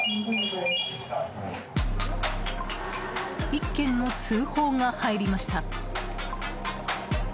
１件の通報が入りました。